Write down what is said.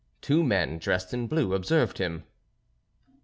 Two men dressed in blue observed him.